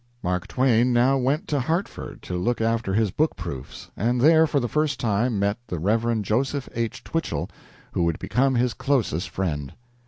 Mark Twain now went to Hartford to look after his book proofs, and there for the first time met the Rev. Joseph H. Twichell, who would become his closest friend.